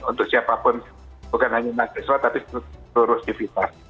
untuk siapapun bukan hanya mahasiswa tapi seluruh aktivitas